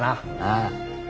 ああ。